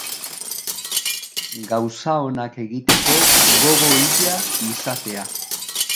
Gauza onak egiteko gogo hila izatea.